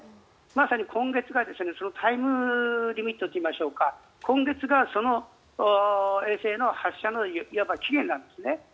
まさに今月がそのタイムリミットといいましょうか今月がその衛星の発射のいわば期限なんですね。